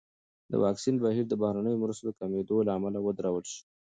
د واکسین بهیر د بهرنیو مرستو کمېدو له امله ودرول شو.